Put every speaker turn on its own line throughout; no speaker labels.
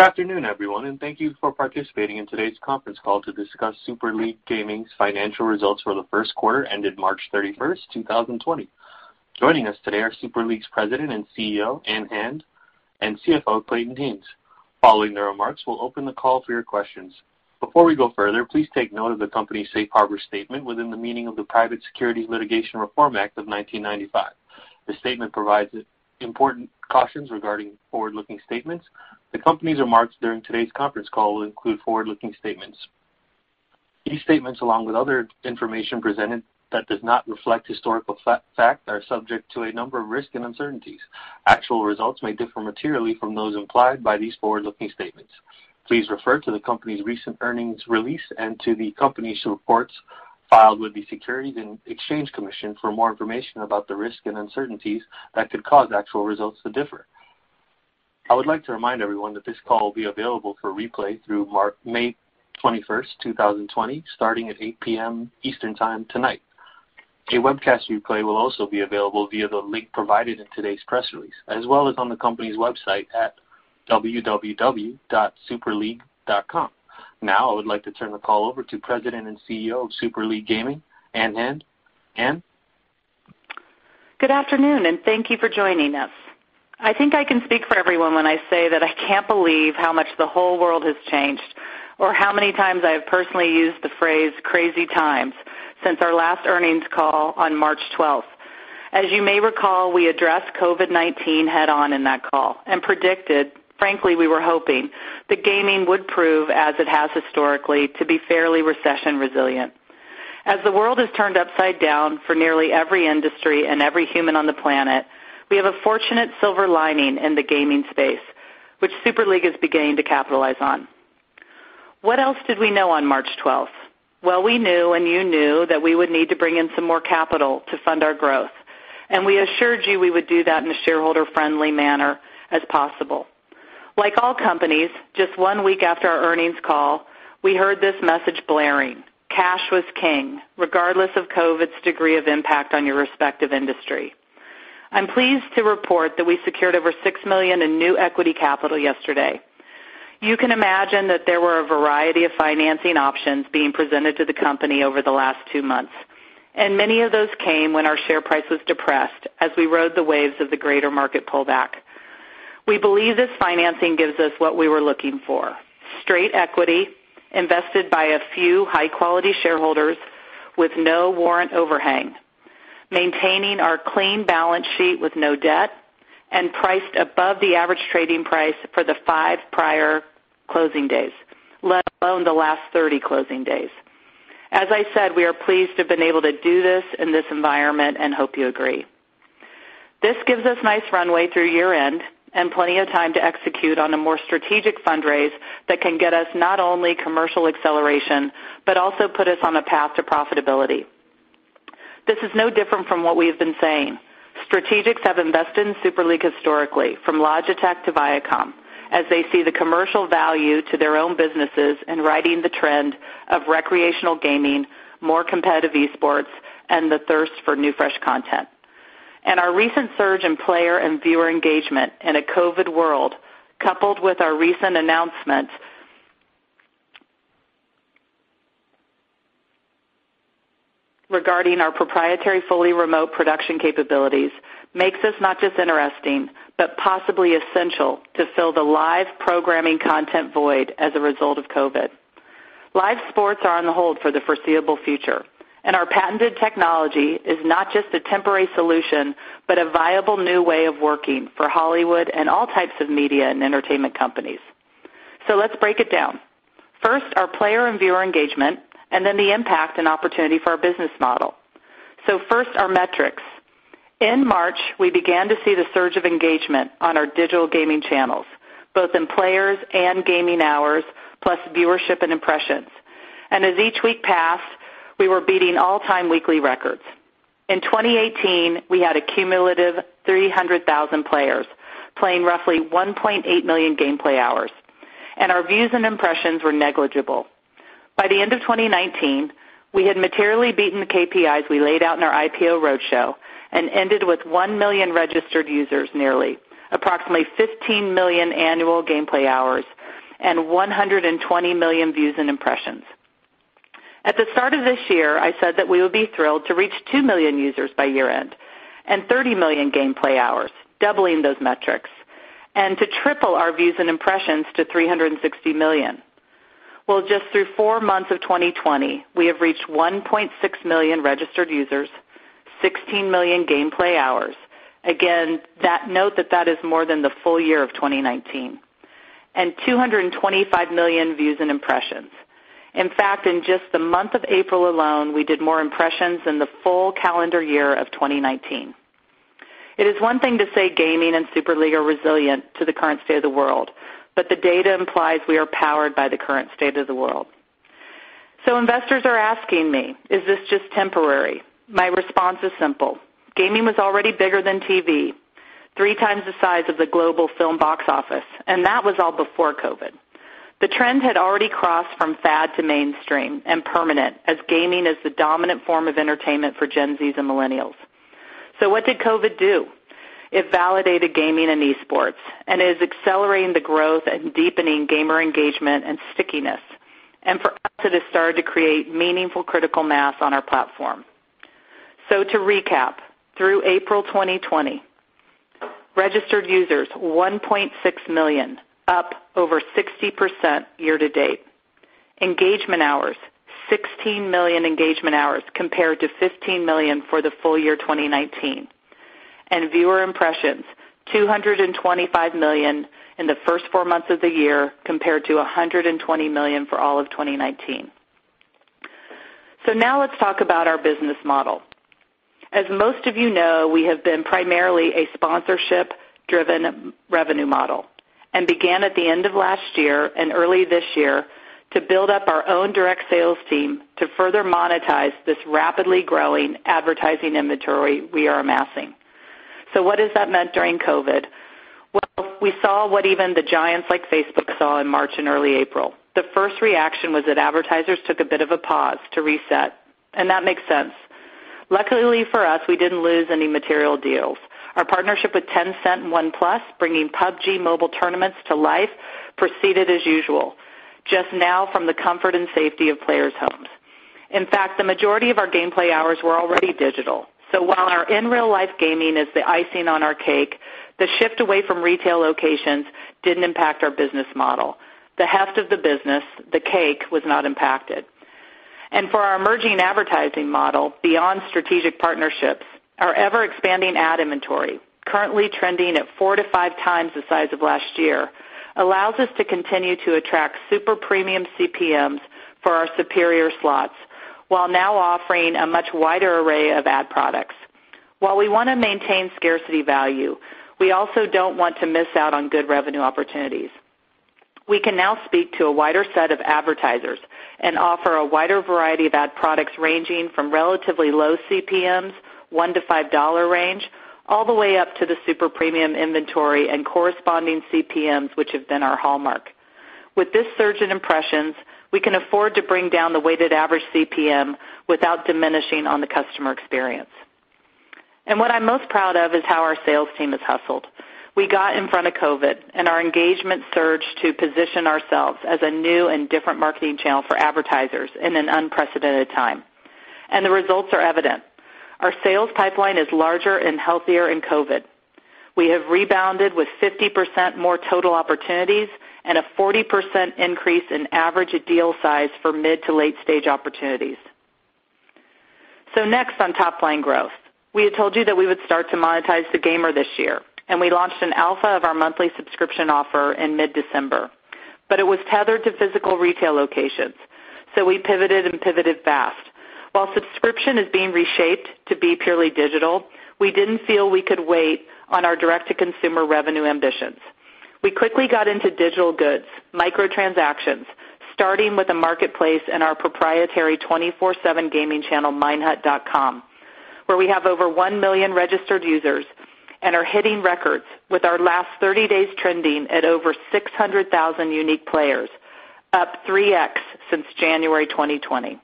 Good afternoon, everyone, and thank you for participating in today's conference call to discuss Super League Gaming's financial results for the first quarter ended March 31st, 2020. Joining us today are Super League's President and CEO, Ann Hand, and CFO, Clayton Haynes. Following their remarks, we'll open the call for your questions. Before we go further, please take note of the company's safe harbor statement within the meaning of the Private Securities Litigation Reform Act of 1995. The statement provides important cautions regarding forward-looking statements. The company's remarks during today's conference call will include forward-looking statements. These statements, along with other information presented that does not reflect historical fact, are subject to a number of risks and uncertainties. Actual results may differ materially from those implied by these forward-looking statements. Please refer to the company's recent earnings release and to the company's reports filed with the Securities and Exchange Commission for more information about the risks and uncertainties that could cause actual results to differ. I would like to remind everyone that this call will be available for replay through May 21st, 2020, starting at 8:00 P.M. Eastern Time tonight. A webcast replay will also be available via the link provided in today's press release, as well as on the company's website at www.superleague.com. Now I would like to turn the call over to President and CEO of Super League Gaming, Ann Hand. Ann?
Good afternoon, and thank you for joining us. I think I can speak for everyone when I say that I can't believe how much the whole world has changed, or how many times I have personally used the phrase crazy times since our last earnings call on March 12th. As you may recall, we addressed COVID-19 head-on in that call and predicted, frankly, we were hoping, that gaming would prove, as it has historically, to be fairly recession resilient. As the world is turned upside down for nearly every industry and every human on the planet, we have a fortunate silver lining in the gaming space, which Super League is beginning to capitalize on. What else did we know on March 12th? Well, we knew, and you knew, that we would need to bring in some more capital to fund our growth, and we assured you we would do that in a shareholder-friendly manner as possible. Like all companies, just one week after our earnings call, we heard this message blaring: cash was king, regardless of COVID's degree of impact on your respective industry. I'm pleased to report that we secured over $6 million in new equity capital yesterday. You can imagine that there were a variety of financing options being presented to the company over the last two months, and many of those came when our share price was depressed as we rode the waves of the greater market pullback. We believe this financing gives us what we were looking for, straight equity invested by a few high-quality shareholders with no warrant overhang, maintaining our clean balance sheet with no debt, and priced above the average trading price for the five prior closing days, let alone the last 30 closing days. As I said, we are pleased to have been able to do this in this environment and hope you agree. This gives us nice runway through year-end and plenty of time to execute on a more strategic fundraise that can get us not only commercial acceleration, but also put us on a path to profitability. This is no different from what we have been saying. Strategics have invested in Super League historically, from Logitech to Viacom, as they see the commercial value to their own businesses in riding the trend of recreational gaming, more competitive esports, and the thirst for new, fresh content. Our recent surge in player and viewer engagement in a COVID world, coupled with our recent announcement regarding our proprietary, fully remote production capabilities, makes us not just interesting, but possibly essential to fill the live programming content void as a result of COVID. Our patented technology is not just a temporary solution, but a viable new way of working for Hollywood and all types of media and entertainment companies. Let's break it down. First, our player and viewer engagement, and then the impact and opportunity for our business model. First, our metrics. In March, we began to see the surge of engagement on our digital gaming channels, both in players and gaming hours, plus viewership and impressions. As each week passed, we were beating all-time weekly records. In 2018, we had a cumulative 300,000 players playing roughly 1.8 million gameplay hours, and our views and impressions were negligible. By the end of 2019, we had materially beaten the KPIs we laid out in our IPO roadshow and ended with 1 million registered users nearly, approximately 15 million annual gameplay hours, and 120 million views and impressions. At the start of this year, I said that we would be thrilled to reach 2 million users by year-end and 30 million gameplay hours, doubling those metrics, and to triple our views and impressions to 360 million. Just through four months of 2020, we have reached 1.6 million registered users, 16 million gameplay hours, again, note that that is more than the full year of 2019, and 225 million views and impressions. In fact, in just the month of April alone, we did more impressions than the full calendar year of 2019. It is one thing to say gaming and Super League are resilient to the current state of the world, the data implies we are powered by the current state of the world. Investors are asking me, "Is this just temporary?" My response is simple: Gaming was already bigger than TV, three times the size of the global film box office, and that was all before COVID. The trend had already crossed from fad to mainstream and permanent as gaming is the dominant form of entertainment for Gen Zs and millennials. What did COVID do? It validated gaming and esports, and it is accelerating the growth and deepening gamer engagement and stickiness. For us, it has started to create meaningful critical mass on our platform. To recap, through April 2020, registered users, 1.6 million, up over 60% year-to-date. Engagement hours, 16 million engagement hours compared to 15 million for the full year 2019. Viewer impressions, 225 million in the first four months of the year compared to 120 million for all of 2019. Now let's talk about our business model. As most of you know, we have been primarily a sponsorship-driven revenue model and began at the end of last year and early this year to build up our own direct sales team to further monetize this rapidly growing advertising inventory we are amassing. What has that meant during COVID? Well, we saw what even the giants like Facebook saw in March and early April. The first reaction was that advertisers took a bit of a pause to reset, and that makes sense. Luckily for us, we didn't lose any material deals. Our partnership with Tencent and OnePlus, bringing PUBG Mobile tournaments to life proceeded as usual, just now from the comfort and safety of players' homes. In fact, the majority of our gameplay hours were already digital, so while our in-real-life gaming is the icing on our cake, the shift away from retail locations didn't impact our business model. The heft of the business, the cake, was not impacted. For our emerging advertising model beyond strategic partnerships, our ever-expanding ad inventory, currently trending at four to five times the size of last year, allows us to continue to attract super premium CPMs for our superior slots while now offering a much wider array of ad products. While we want to maintain scarcity value, we also don't want to miss out on good revenue opportunities. We can now speak to a wider set of advertisers and offer a wider variety of ad products ranging from relatively low CPMs, $1-$5 range, all the way up to the super premium inventory and corresponding CPMs, which have been our hallmark. With this surge in impressions, we can afford to bring down the weighted average CPM without diminishing on the customer experience. What I'm most proud of is how our sales team has hustled. We got in front of COVID, and our engagement surged to position ourselves as a new and different marketing channel for advertisers in an unprecedented time. The results are evident. Our sales pipeline is larger and healthier in COVID. We have rebounded with 50% more total opportunities and a 40% increase in average deal size for mid to late-stage opportunities. Next on top-line growth. We had told you that we would start to monetize the gamer this year, and we launched an alpha of our monthly subscription offer in mid-December. It was tethered to physical retail locations, so we pivoted and pivoted fast. While subscription is being reshaped to be purely digital, we didn't feel we could wait on our direct-to-consumer revenue ambitions. We quickly got into digital goods, micro-transactions, starting with a marketplace in our proprietary 24/7 gaming channel, minehut.com, where we have over 1 million registered users and are hitting records with our last 30 days trending at over 600,000 unique players, up 3X since January 2020.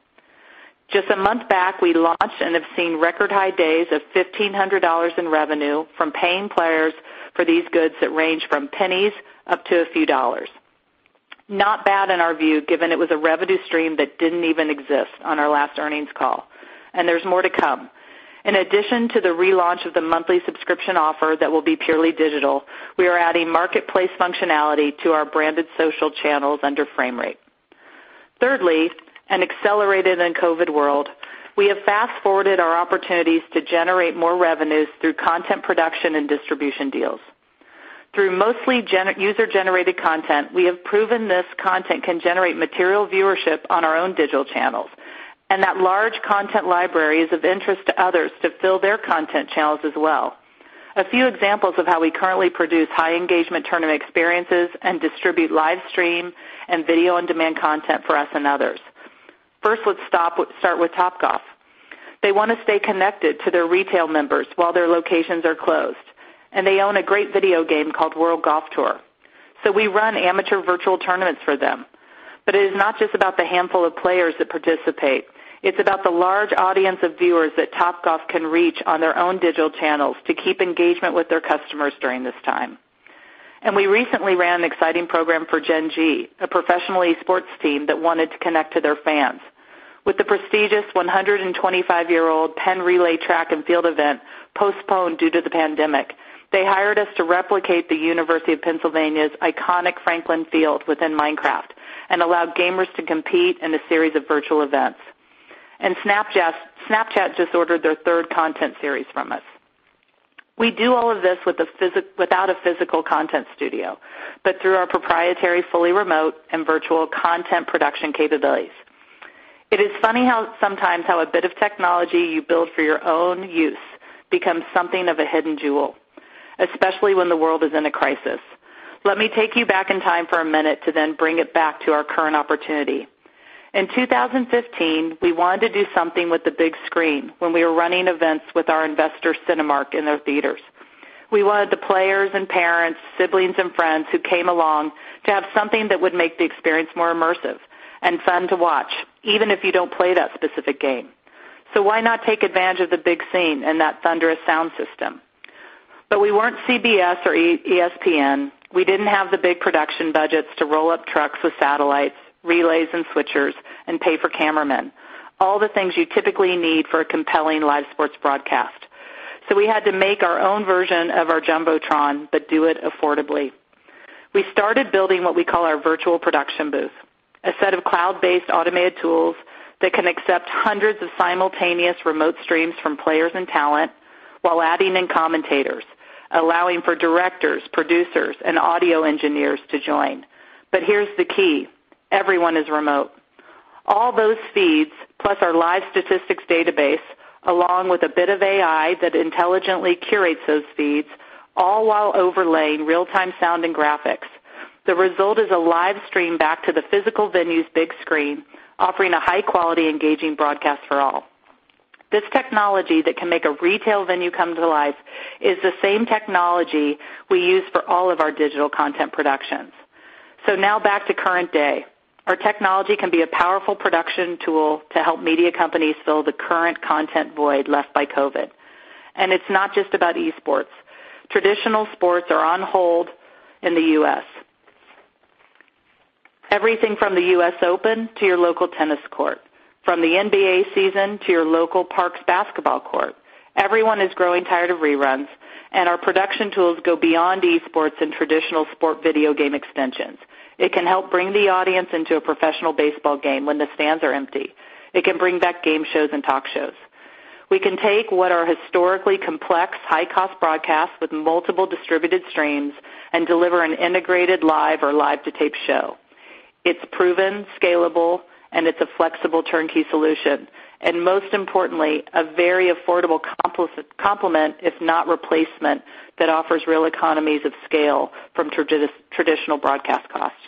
Just a month back, we launched and have seen record high days of $1,500 in revenue from paying players for these goods that range from pennies up to a few dollars. Not bad in our view, given it was a revenue stream that didn't even exist on our last earnings call. There's more to come. In addition to the relaunch of the monthly subscription offer that will be purely digital, we are adding marketplace functionality to our branded social channels under Framerate. Thirdly, an accelerated and COVID world, we have fast-forwarded our opportunities to generate more revenues through content production and distribution deals. Through mostly user-generated content, we have proven this content can generate material viewership on our own digital channels and that large content library is of interest to others to fill their content channels as well. A few examples of how we currently produce high-engagement tournament experiences and distribute live stream and video-on-demand content for us and others. First, let's start with Topgolf. They want to stay connected to their retail members while their locations are closed. They own a great video game called World Golf Tour. We run amateur virtual tournaments for them. It is not just about the handful of players that participate. It's about the large audience of viewers that Topgolf can reach on their own digital channels to keep engagement with their customers during this time. We recently ran an exciting program for Gen.G, a professional esports team that wanted to connect to their fans. With the prestigious 125-year-old Penn Relays track and field event postponed due to the pandemic, they hired us to replicate the University of Pennsylvania's iconic Franklin Field within Minecraft and allowed gamers to compete in a series of virtual events. Snapchat just ordered their third content series from us. We do all of this without a physical content studio, but through our proprietary, fully remote, and virtual content production capabilities. It is funny how sometimes a bit of technology you build for your own use becomes something of a hidden jewel, especially when the world is in a crisis. Let me take you back in time for a minute to then bring it back to our current opportunity. In 2015, we wanted to do something with the big screen when we were running events with our investor, Cinemark, in their theaters. We wanted the players and parents, siblings, and friends who came along to have something that would make the experience more immersive and fun to watch, even if you don't play that specific game. Why not take advantage of the big screen and that thunderous sound system? We weren't CBS or ESPN. We didn't have the big production budgets to roll up trucks with satellites, relays, and switchers and pay for cameramen. All the things you typically need for a compelling live sports broadcast. We had to make our own version of our jumbotron, but do it affordably. We started building what we call our virtual production booth, a set of cloud-based automated tools that can accept hundreds of simultaneous remote streams from players and talent while adding in commentators, allowing for directors, producers, and audio engineers to join. Here's the key. Everyone is remote. All those feeds, plus our live statistics database, along with a bit of AI that intelligently curates those feeds, all while overlaying real-time sound and graphics. The result is a live stream back to the physical venue's big screen, offering a high-quality, engaging broadcast for all. This technology that can make a retail venue come to life is the same technology we use for all of our digital content productions. Now back to current day. Our technology can be a powerful production tool to help media companies fill the current content void left by COVID. It's not just about esports. Traditional sports are on hold in the U.S. Everything from the U.S. Open to your local tennis court, from the NBA season to your local park's basketball court. Everyone is growing tired of reruns, and our production tools go beyond esports and traditional sport video game extensions. It can help bring the audience into a professional baseball game when the stands are empty. It can bring back game shows and talk shows. We can take what are historically complex, high-cost broadcasts with multiple distributed streams and deliver an integrated live or live-to-tape show. It's proven, scalable, and it's a flexible turnkey solution, and most importantly, a very affordable complement, if not replacement, that offers real economies of scale from traditional broadcast costs.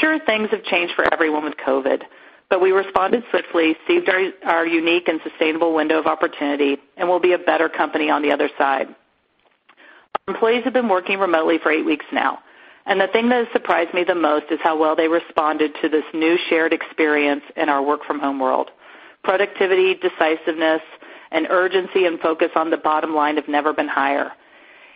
Sure, things have changed for everyone with COVID, but we responded swiftly, seized our unique and sustainable window of opportunity, and we'll be a better company on the other side. Our employees have been working remotely for 8 weeks now, and the thing that has surprised me the most is how well they responded to this new shared experience in our work-from-home world. Productivity, decisiveness, and urgency and focus on the bottom line have never been higher.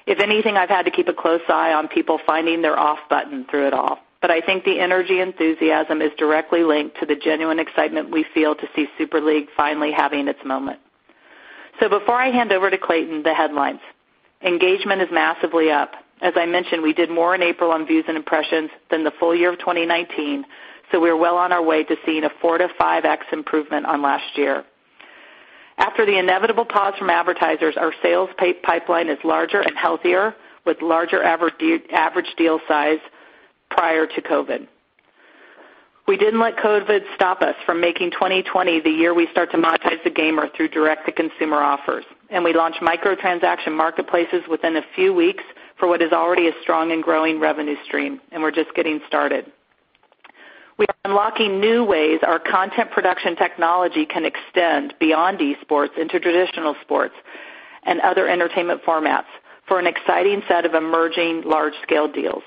If anything, I've had to keep a close eye on people finding their off button through it all. I think the energy enthusiasm is directly linked to the genuine excitement we feel to see Super League finally having its moment. Before I hand over to Clayton, the headlines. Engagement is massively up. As I mentioned, we did more in April on views and impressions than the full year of 2019, so we're well on our way to seeing a four to five X improvement on last year. After the inevitable pause from advertisers, our sales pipeline is larger and healthier, with larger average deal size prior to COVID. We didn't let COVID stop us from making 2020 the year we start to monetize the gamer through direct-to-consumer offers. We launched micro-transaction marketplaces within a few weeks for what is already a strong and growing revenue stream. We're just getting started. We are unlocking new ways our content production technology can extend beyond esports into traditional sports and other entertainment formats for an exciting set of emerging large-scale deals.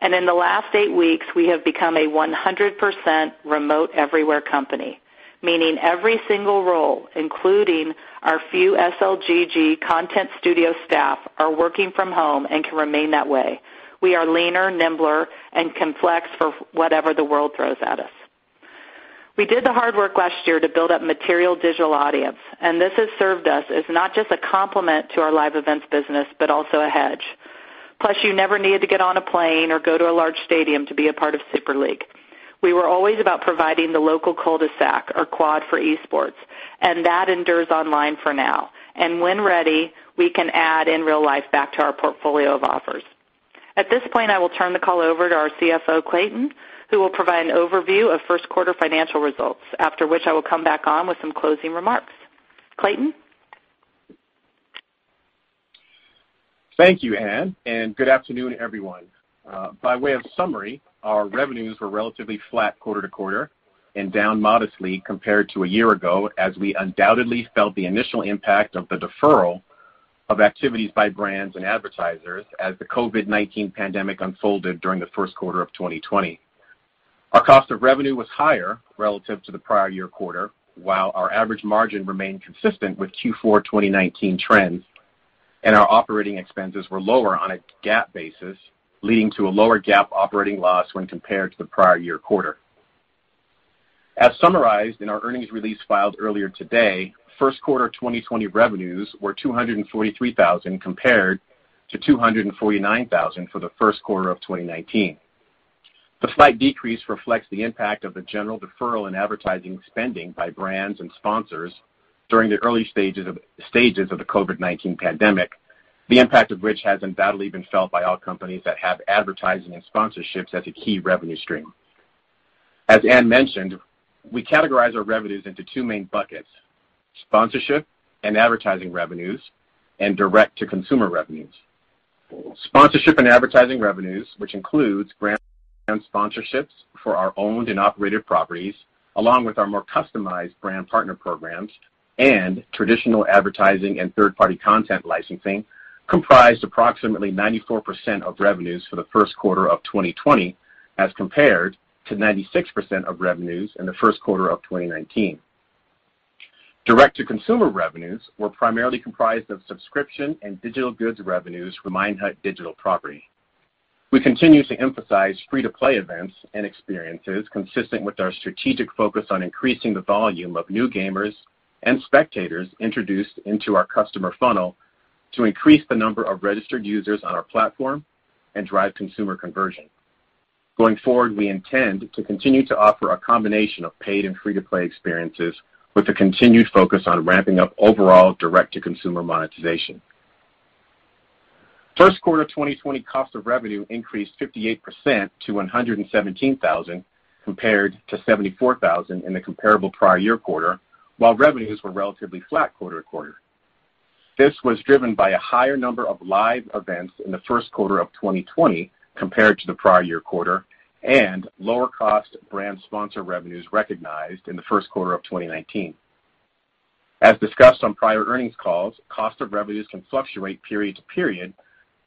In the last eight weeks, we have become a 100% remote everywhere company, meaning every single role, including our few SLGG content studio staff, are working from home and can remain that way. We are leaner, nimbler, and can flex for whatever the world throws at us. We did the hard work last year to build up material digital audience, and this has served us as not just a complement to our live events business, but also a hedge. You never needed to get on a plane or go to a large stadium to be a part of Super League. We were always about providing the local cul-de-sac or quad for esports, and that endures online for now. When ready, we can add in real life back to our portfolio of offers. At this point, I will turn the call over to our CFO, Clayton, who will provide an overview of first quarter financial results. After which I will come back on with some closing remarks. Clayton?
Thank you, Ann. Good afternoon, everyone. By way of summary, our revenues were relatively flat quarter to quarter and down modestly compared to a year ago as we undoubtedly felt the initial impact of the deferral of activities by brands and advertisers as the COVID-19 pandemic unfolded during the first quarter of 2020. Our cost of revenue was higher relative to the prior year quarter while our average margin remained consistent with Q4 2019 trends. Our operating expenses were lower on a GAAP basis, leading to a lower GAAP operating loss when compared to the prior year quarter. As summarized in our earnings release filed earlier today, first quarter 2020 revenues were $243,000 compared to $249,000 for the first quarter of 2019. The slight decrease reflects the impact of the general deferral in advertising spending by brands and sponsors during the early stages of the COVID-19 pandemic, the impact of which has undoubtedly been felt by all companies that have advertising and sponsorships as a key revenue stream. As Ann mentioned, we categorize our revenues into two main buckets: sponsorship and advertising revenues and direct-to-consumer revenues. Sponsorship and advertising revenues, which includes brand sponsorships for our owned and operated properties, along with our more customized brand partner programs and traditional advertising and third-party content licensing, comprised approximately 94% of revenues for the first quarter of 2020 as compared to 96% of revenues in the first quarter of 2019. Direct-to-consumer revenues were primarily comprised of subscription and digital goods revenues for Minehut digital property. We continue to emphasize free-to-play events and experiences consistent with our strategic focus on increasing the volume of new gamers and spectators introduced into our customer funnel to increase the number of registered users on our platform and drive consumer conversion. Going forward, we intend to continue to offer a combination of paid and free-to-play experiences with a continued focus on ramping up overall direct-to-consumer monetization. First quarter 2020 cost of revenue increased 58% to $117,000 compared to $74,000 in the comparable prior year quarter, while revenues were relatively flat quarter-to-quarter. This was driven by a higher number of live events in the first quarter of 2020 compared to the prior year quarter, and lower-cost brand sponsor revenues recognized in the first quarter of 2019. As discussed on prior earnings calls, cost of revenues can fluctuate period to period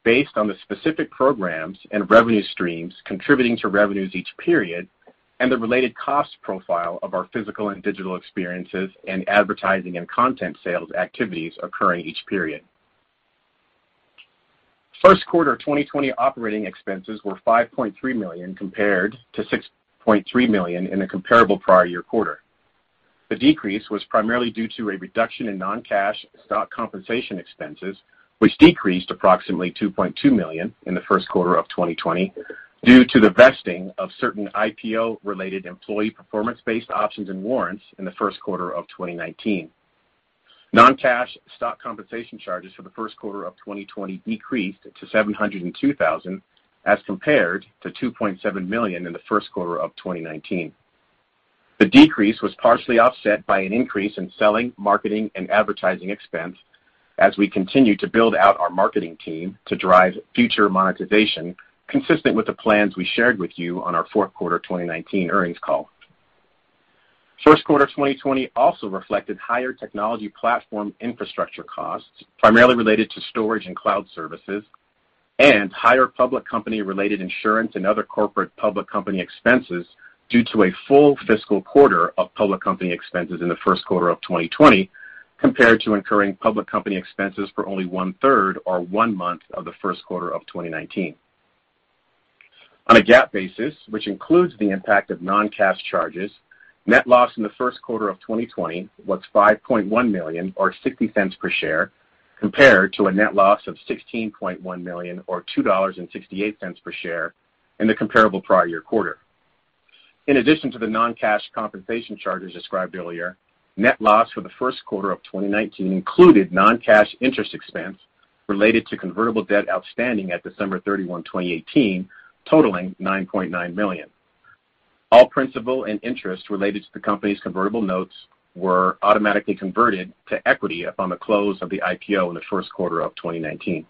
based on the specific programs and revenue streams contributing to revenues each period, and the related cost profile of our physical and digital experiences and advertising and content sales activities occurring each period. First quarter 2020 operating expenses were $5.3 million compared to $6.3 million in the comparable prior year quarter. The decrease was primarily due to a reduction in non-cash stock compensation expenses, which decreased approximately $2.2 million in the first quarter of 2020 due to the vesting of certain IPO-related employee performance-based options and warrants in the first quarter of 2019. Non-cash stock compensation charges for the first quarter of 2020 decreased to $702,000 as compared to $2.7 million in the first quarter of 2019. The decrease was partially offset by an increase in selling, marketing, and advertising expense as we continue to build out our marketing team to drive future monetization consistent with the plans we shared with you on our fourth quarter 2019 earnings call. First quarter 2020 also reflected higher technology platform infrastructure costs, primarily related to storage and cloud services, and higher public company-related insurance and other corporate public company expenses due to a full fiscal quarter of public company expenses in the first quarter of 2020, compared to incurring public company expenses for only one-third or one month of the first quarter of 2019. On a GAAP basis, which includes the impact of non-cash charges, net loss in the first quarter of 2020 was $5.1 million or $0.60 per share, compared to a net loss of $16.1 million or $2.68 per share in the comparable prior year quarter. In addition to the non-cash compensation charges described earlier, net loss for the first quarter of 2019 included non-cash interest expense related to convertible debt outstanding at December 31, 2018, totaling $9.9 million. All principal and interest related to the company's convertible notes were automatically converted to equity upon the close of the IPO in the first quarter of 2019.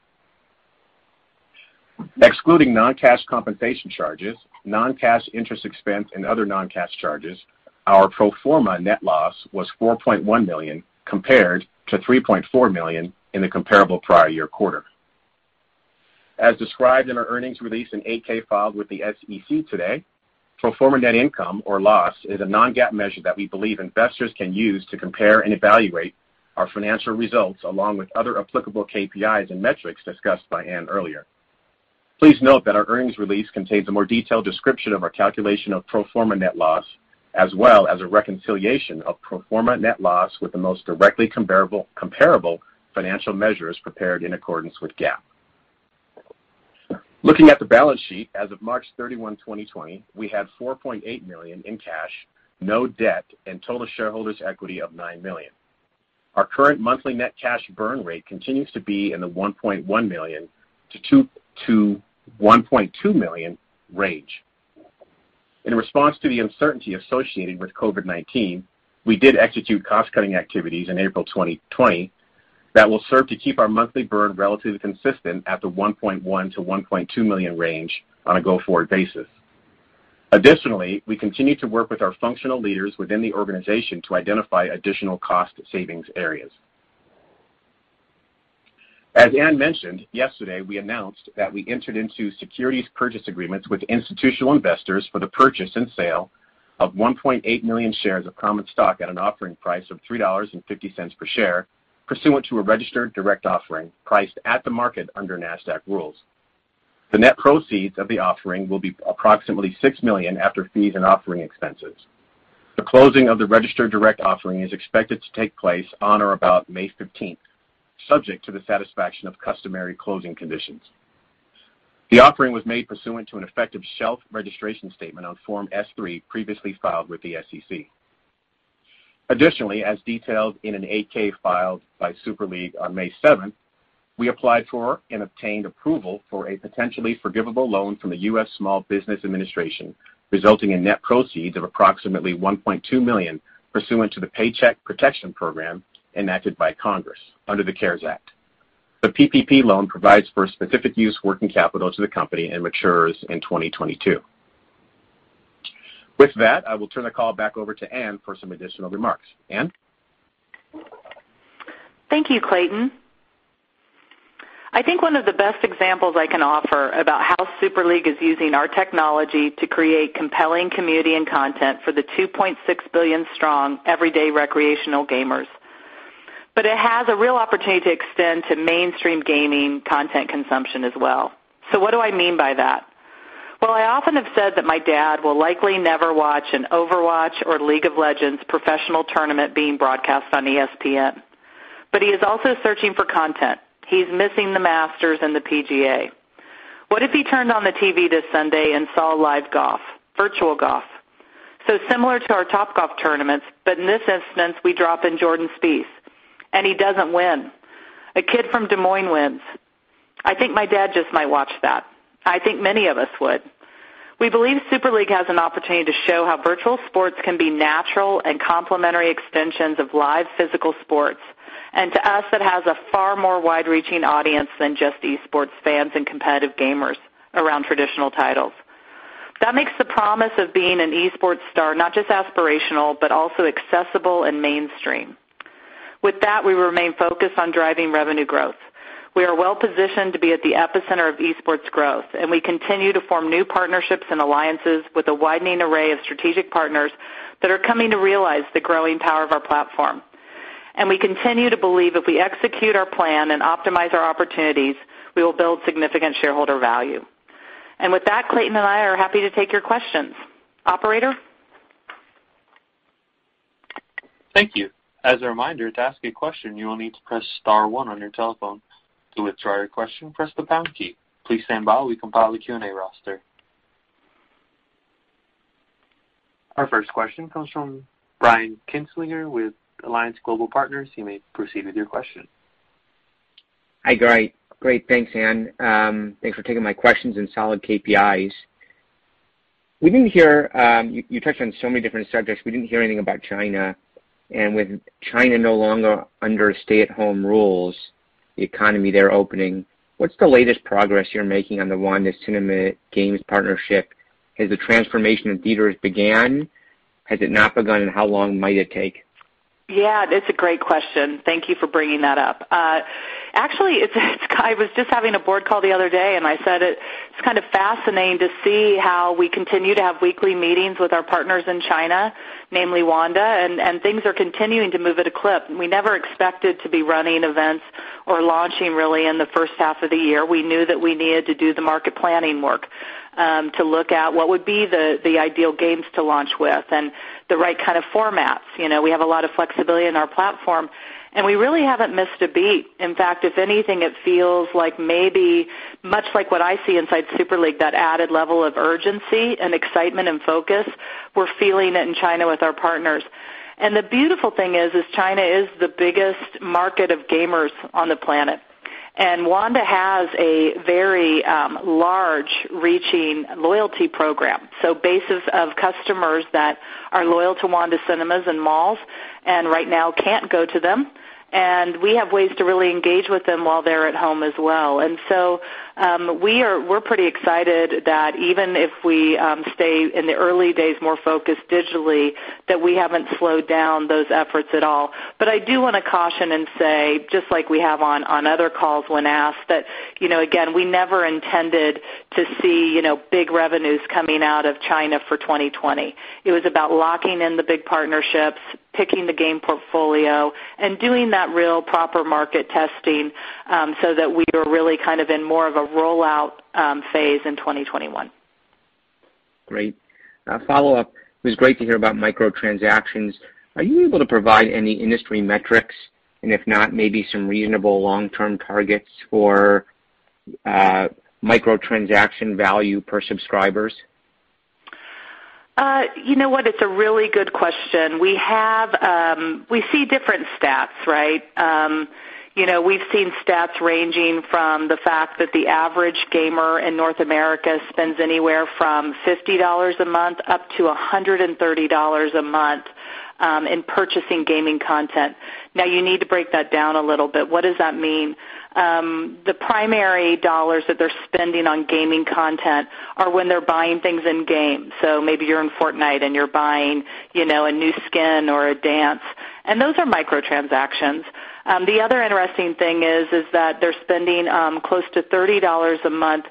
Excluding non-cash compensation charges, non-cash interest expense, and other non-cash charges, our pro forma net loss was $4.1 million, compared to $3.4 million in the comparable prior year quarter. As described in our earnings release and 8-K filed with the SEC today, pro forma net income or loss is a non-GAAP measure that we believe investors can use to compare and evaluate our financial results along with other applicable KPIs and metrics discussed by Ann earlier. Please note that our earnings release contains a more detailed description of our calculation of pro forma net loss, as well as a reconciliation of pro forma net loss with the most directly comparable financial measures prepared in accordance with GAAP. Looking at the balance sheet as of March 31, 2020, we have $4.8 million in cash, no debt, and total shareholders' equity of $9 million. Our current monthly net cash burn rate continues to be in the $1.1 million-$1.2 million range. In response to the uncertainty associated with COVID-19, we did execute cost-cutting activities in April 2020 that will serve to keep our monthly burn relatively consistent at the $1.1 million-$1.2 million range on a go-forward basis. Additionally, we continue to work with our functional leaders within the organization to identify additional cost savings areas. As Ann mentioned, yesterday we announced that we entered into securities purchase agreements with institutional investors for the purchase and sale of 1.8 million shares of common stock at an offering price of $3.50 per share pursuant to a registered direct offering priced at the market under NASDAQ rules. The net proceeds of the offering will be approximately $6 million after fees and offering expenses. The closing of the registered direct offering is expected to take place on or about May 15th, subject to the satisfaction of customary closing conditions. The offering was made pursuant to an effective shelf registration statement on Form S-3 previously filed with the SEC. Additionally, as detailed in an 8-K filed by Super League on May 7th, we applied for and obtained approval for a potentially forgivable loan from the U.S. Small Business Administration, resulting in net proceeds of approximately $1.2 million pursuant to the Paycheck Protection Program enacted by Congress under the CARES Act. The PPP loan provides for specific use working capital to the company and matures in 2022. With that, I will turn the call back over to Ann for some additional remarks. Ann?
Thank you, Clayton. I think one of the best examples I can offer about how Super League is using our technology to create compelling community and content for the 2.6 billion-strong everyday recreational gamers. It has a real opportunity to extend to mainstream gaming content consumption as well. What do I mean by that? Well, I often have said that my dad will likely never watch an Overwatch or League of Legends professional tournament being broadcast on ESPN. He is also searching for content. He's missing the Masters and the PGA. What if he turned on the TV this Sunday and saw live golf, virtual golf? Similar to our Topgolf tournaments, but in this instance, we drop in Jordan Spieth, and he doesn't win. A kid from Des Moines wins. I think my dad just might watch that. I think many of us would. We believe Super League has an opportunity to show how virtual sports can be natural and complementary extensions of live physical sports. To us, that has a far more wide-reaching audience than just esports fans and competitive gamers around traditional titles. That makes the promise of being an esports star not just aspirational, but also accessible and mainstream. With that, we remain focused on driving revenue growth. We are well-positioned to be at the epicenter of esports growth, and we continue to form new partnerships and alliances with a widening array of strategic partners that are coming to realize the growing power of our platform. We continue to believe if we execute our plan and optimize our opportunities, we will build significant shareholder value. With that, Clayton and I are happy to take your questions. Operator?
Thank you. As a reminder, to ask a question, you will need to press star one on your telephone. To withdraw your question, press the pound key. Please stand by. We compile the Q&A roster. Our first question comes from Brian Kinstlinger with Alliance Global Partners. You may proceed with your question.
Hi. Great. Thanks, Ann. Thanks for taking my questions and solid KPIs. You touched on so many different subjects. We didn't hear anything about China. With China no longer under stay-at-home rules, the economy there opening, what's the latest progress you're making on the Wanda Cinemas Games partnership? Has the transformation of theaters began? Has it not begun? How long might it take?
Yeah, it's a great question. Thank you for bringing that up. Actually, I was just having a board call the other day, and I said it's kind of fascinating to see how we continue to have weekly meetings with our partners in China, namely Wanda, and things are continuing to move at a clip. We never expected to be running events or launching really in the first half of the year. We knew that we needed to do the market planning work to look at what would be the ideal games to launch with and the right kind of formats. We have a lot of flexibility in our platform, and we really haven't missed a beat. In fact, if anything, it feels like maybe much like what I see inside Super League, that added level of urgency and excitement and focus, we're feeling it in China with our partners. The beautiful thing is, China is the biggest market of gamers on the planet. Wanda has a very large-reaching loyalty program. Bases of customers that are loyal to Wanda Cinemas and malls, and right now can't go to them. We have ways to really engage with them while they're at home as well. We're pretty excited that even if we stay in the early days more focused digitally, that we haven't slowed down those efforts at all. I do want to caution and say, just like we have on other calls when asked that, again, we never intended to see big revenues coming out of China for 2020. It was about locking in the big partnerships, picking the game portfolio, and doing that real proper market testing so that we are really kind of in more of a rollout phase in 2021.
Great. Follow-up, it was great to hear about micro-transactions. Are you able to provide any industry metrics? If not, maybe some reasonable long-term targets for micro-transaction value per subscribers?
You know what? It's a really good question. We see different stats, right? We've seen stats ranging from the fact that the average gamer in North America spends anywhere from $50 a month up to $130 a month in purchasing gaming content. You need to break that down a little bit. What does that mean? The primary dollars that they're spending on gaming content are when they're buying things in-game. Maybe you're in Fortnite and you're buying a new skin or a dance. Those are micro-transactions. The other interesting thing is that they're spending close to $30 a month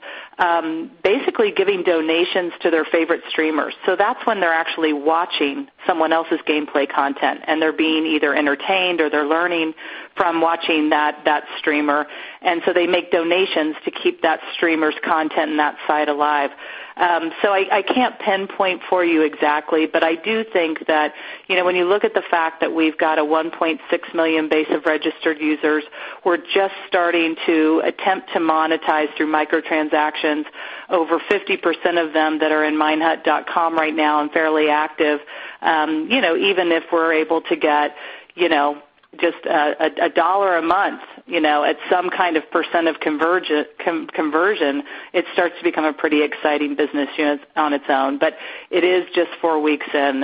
basically giving donations to their favorite streamers. That's when they're actually watching someone else's gameplay content, and they're being either entertained or they're learning from watching that streamer. They make donations to keep that streamer's content and that site alive. I can't pinpoint for you exactly, but I do think that when you look at the fact that we've got a 1.6 million base of registered users, we're just starting to attempt to monetize through micro-transactions over 50% of them that are in minehut.com right now and fairly active. Even if we're able to get just $1 a month at some kind of % of conversion, it starts to become a pretty exciting business on its own. It is just four weeks in.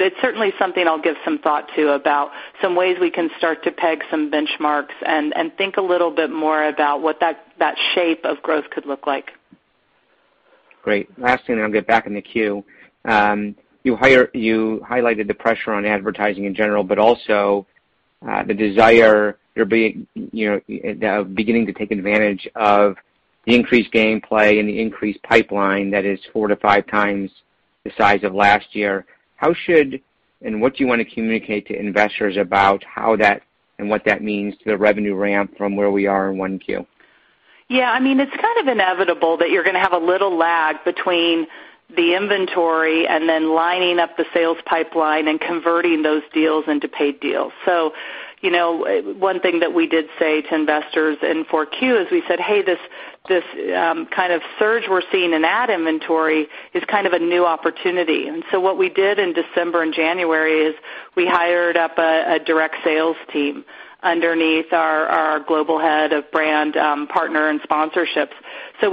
It's certainly something I'll give some thought to about some ways we can start to peg some benchmarks and think a little bit more about what that shape of growth could look like.
Great. Last thing then I'll get back in the queue. You highlighted the pressure on advertising in general, but also the desire, beginning to take advantage of the increased gameplay and the increased pipeline that is four to five times the size of last year. How should, and what do you want to communicate to investors about how that and what that means to the revenue ramp from where we are in 1Q?
Yeah. It's kind of inevitable that you're going to have a little lag between the inventory and then lining up the sales pipeline and converting those deals into paid deals. One thing that we did say to investors in 4Q is we said, "Hey, this kind of surge we're seeing in ad inventory is kind of a new opportunity." What we did in December and January is we hired up a direct sales team underneath our global head of brand partner and sponsorships.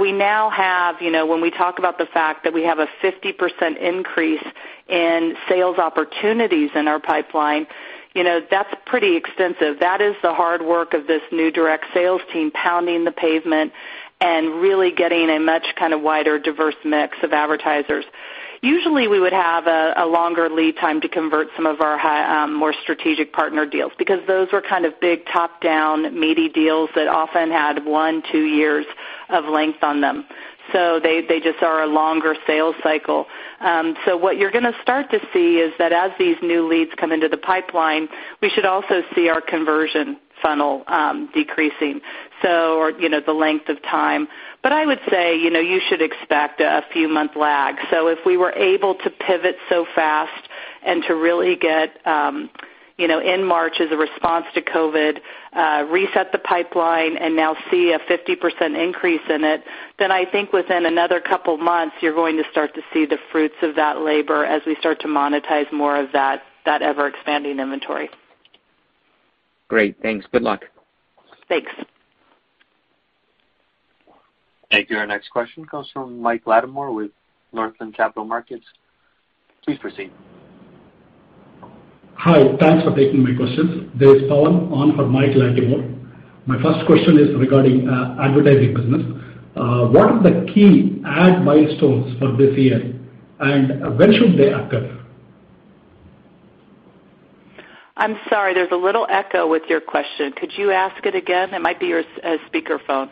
We now have, when we talk about the fact that we have a 50% increase in sales opportunities in our pipeline, that's pretty extensive. That is the hard work of this new direct sales team pounding the pavement and really getting a much kind of wider diverse mix of advertisers. Usually, we would have a longer lead time to convert some of our more strategic partner deals, because those were kind of big top-down meaty deals that often had one, two years of length on them. They just are a longer sales cycle. What you're going to start to see is that as these new leads come into the pipeline, we should also see our conversion funnel decreasing, the length of time. I would say, you should expect a few month lag. If we were able to pivot so fast and to really get, in March as a response to COVID, reset the pipeline and now see a 50% increase in it, then I think within another couple of months, you're going to start to see the fruits of that labor as we start to monetize more of that ever-expanding inventory.
Great. Thanks. Good luck.
Thanks.
Thank you. Our next question comes from Michael Latimore with Northland Capital Markets. Please proceed.
Hi. Thanks for taking my questions. This is Pawan on for Michael Latimore. My first question is regarding advertising business. What are the key ad milestones for this year? When should they occur?
I'm sorry. There's a little echo with your question. Could you ask it again? It might be your speaker phone.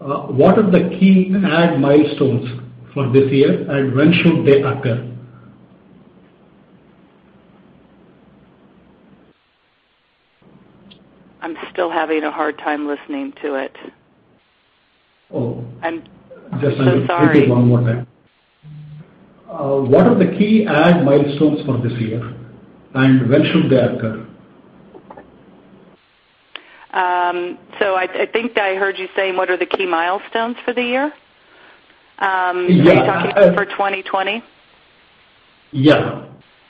What are the key ad milestones for this year and when should they occur?
I'm still having a hard time listening to it.
Oh.
I'm so sorry.
Just repeat it one more time. What are the key ad milestones for this year and when should they occur?
I think I heard you saying what are the key milestones for the year?
Yeah.
Are you talking about for 2020?
Yeah.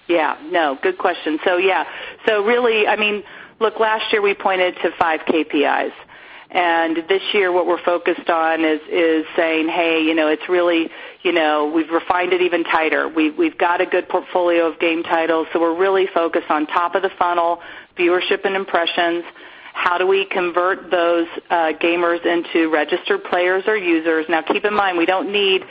Yeah. No, good question. Yeah. Really, look, last year we pointed to five KPIs. This year what we're focused on is saying, "Hey, we've refined it even tighter." We've got a good portfolio of game titles, so we're really focused on top of the funnel, viewership and impressions. How do we convert those gamers into registered players or users? Now keep in mind, we don't need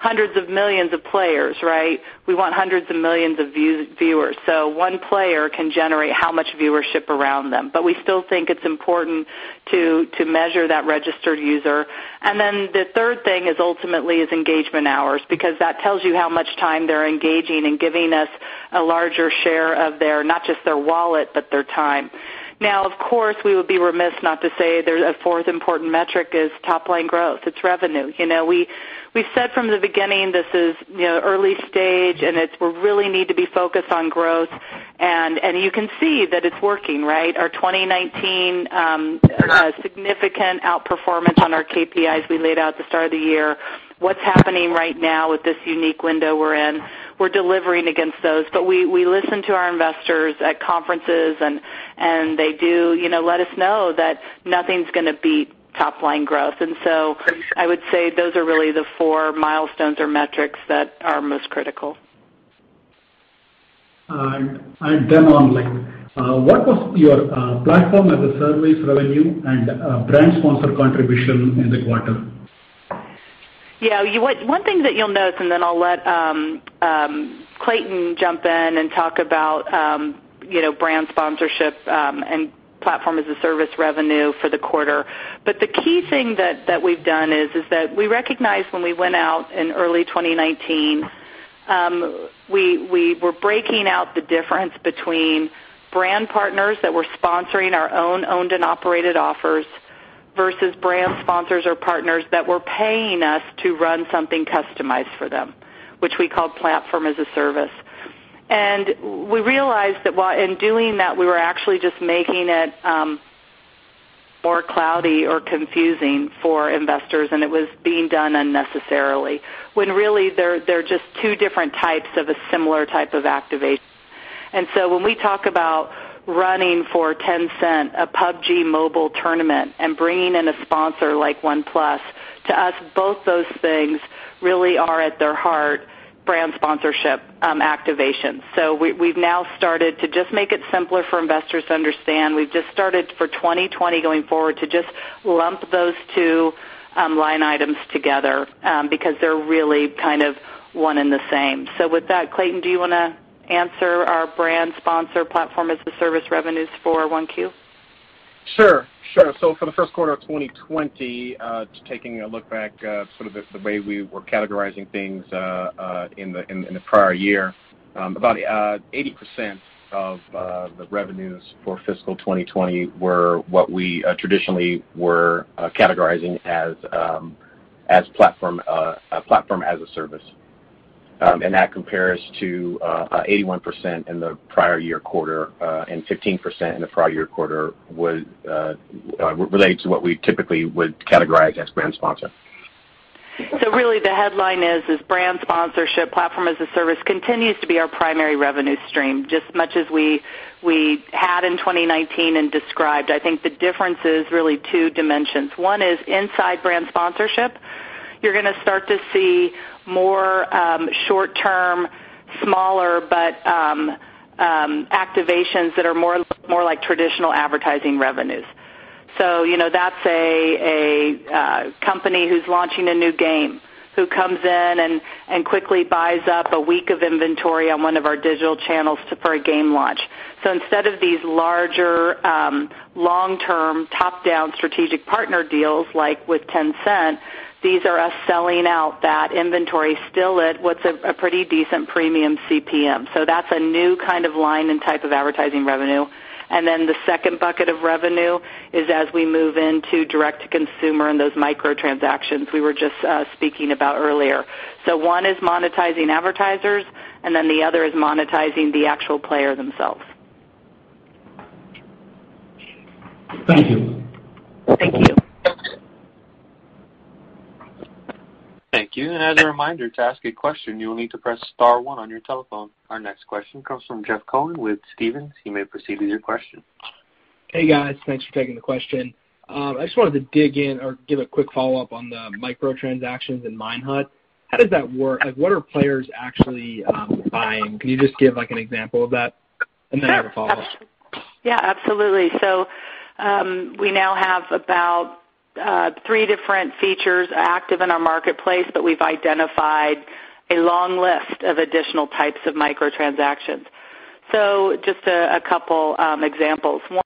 hundreds of millions of players, right? We want hundreds of millions of viewers. One player can generate how much viewership around them, but we still think it's important to measure that registered user. Then the third thing is ultimately engagement hours, because that tells you how much time they're engaging and giving us a larger share of their, not just their wallet, but their time. Now, of course, we would be remiss not to say there's a fourth important metric is top-line growth. It's revenue. We said from the beginning, this is early stage and we really need to be focused on growth. You can see that it's working, right? Our 2019, significant outperformance on our KPIs we laid out at the start of the year. What's happening right now with this unique window we're in, we're delivering against those. We listen to our investors at conferences and they do let us know that nothing's going to beat top-line growth. I would say those are really the four milestones or metrics that are most critical.
on like, what was your platform as a service revenue and brand sponsor contribution in the quarter?
Yeah. One thing that you'll note, and then I'll let Clayton jump in and talk about brand sponsorship, and platform as a service revenue for the quarter. The key thing that we've done is that we recognized when we went out in early 2019, we were breaking out the difference between brand partners that were sponsoring our own owned and operated offers versus brand sponsors or partners that were paying us to run something customized for them, which we called platform as a service. We realized that while in doing that, we were actually just making it more cloudy or confusing for investors and it was being done unnecessarily, when really they're just two different types of a similar type of activation. when we talk about running for Tencent a PUBG Mobile tournament and bringing in a sponsor like OnePlus, to us, both those things really are at their heart brand sponsorship activations. we've now started to just make it simpler for investors to understand. We've just started for 2020 going forward to just lump those two line items together because they're really kind of one and the same. with that, Clayton, do you want to answer our brand sponsor platform-as-a-service revenues for 1Q?
Sure. For the first quarter of 2020, taking a look back sort of the way we were categorizing things in the prior year, about 80% of the revenues for fiscal 2020 were what we traditionally were categorizing as platform as a service. That compares to 81% in the prior year quarter, and 15% in the prior year quarter would relate to what we typically would categorize as brand sponsor.
Really the headline is brand sponsorship, platform as a service continues to be our primary revenue stream, just as much as we had in 2019 and described. I think the difference is really two dimensions. One is inside brand sponsorship, you're going to start to see more short-term, smaller, but activations that are more like traditional advertising revenues. That's a company who's launching a new game, who comes in and quickly buys up a week of inventory on one of our digital channels for a game launch. Instead of these larger, long-term, top-down strategic partner deals like with Tencent, these are us selling out that inventory still at what's a pretty decent premium CPM. That's a new kind of line and type of advertising revenue. The second bucket of revenue is as we move into direct-to-consumer and those micro-transactions we were just speaking about earlier. One is monetizing advertisers, and then the other is monetizing the actual player themselves.
Thank you.
Thank you.
Thank you. As a reminder to ask a question, you will need to press *1 on your telephone. Our next question comes from Jeff Cohen with Stephens. You may proceed with your question.
Hey, guys. Thanks for taking the question. I just wanted to dig in or give a quick follow-up on the micro-transactions in Minehut. How does that work? What are players actually buying? Can you just give an example of that? then I have a follow-up.
Yeah, absolutely. We now have about three different features active in our marketplace, but we've identified a long list of additional types of micro-transactions. Just a couple examples. One,